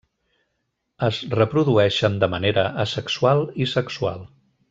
Es reprodueixen de manera asexual i sexual.